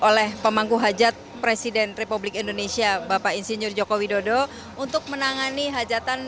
oleh pemangku hajat presiden republik indonesia bapak insinyur joko widodo untuk menangani hajatan